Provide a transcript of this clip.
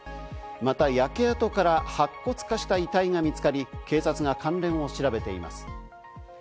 また焼け跡から白骨化した遺体が見つかり、警察が関連を調べています。